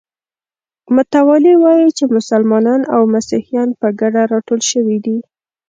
متوالي وایي چې مسلمانان او مسیحیان په ګډه راټول شوي دي.